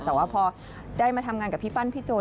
แต่ว่าพอได้มาทำงานกับพี่ปั้นพี่โจ